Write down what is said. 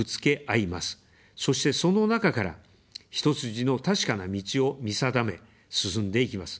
そして、その中から、一筋の確かな道を見定め、進んでいきます。